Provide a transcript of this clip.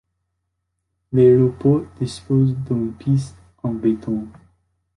L'aéroport dispose d'une piste en béton.